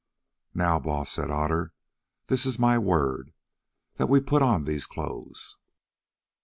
"Now, Baas," said Otter, "this is my word, that we put on these clothes."